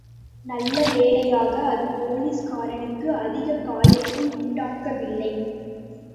நல்லவேளையாக அது போலீகாரனுக்கு அதிக காயத்தை உண்டாக்கவில்லை.